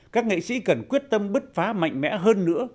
các nghệ sĩ cần quyết tâm bứt phá mạnh mẽ hơn nữa